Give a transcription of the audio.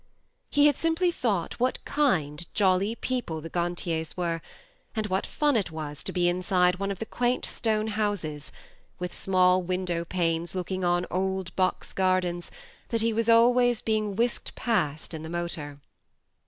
He had simply thought what kind jolly people the Gantiers were, and what fun it was to be inside one of the quaint stone houses, with small window panes looking on old box gardens, that he was always being whisked past in the motor.